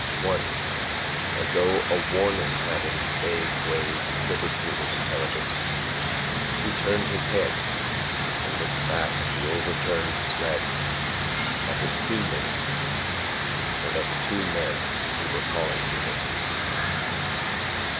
Once, as though a warning had in vague ways flitted through his intelligence, he turned his head and looked back at the overturned sled, at his team mates, and at the two men who were calling to him.